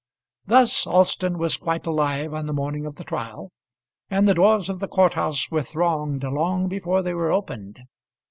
Thus Alston was quite alive on the morning of the trial, and the doors of the court house were thronged long before they were opened.